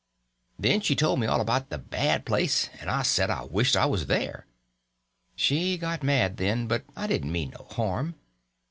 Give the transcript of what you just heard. Then she told me all about the bad place, and I said I wished I was there. She got mad then, but I didn't mean no harm.